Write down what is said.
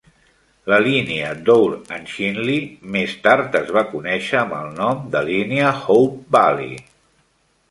La línia Dore and Chinley més tard es va conèixer amb el nom de línia Hope Valley.